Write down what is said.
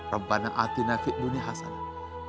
rabbana a'tina fi'nuni hasanah